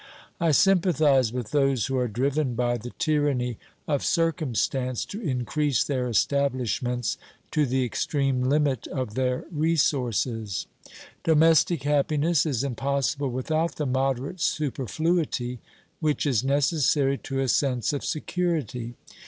I sympathise with those who are driven by the tyranny of circumstance to increase their establishments to the extreme limit of their resources. Domestic happiness is impossible without the moderate superfluity which is necessary to a sense of security.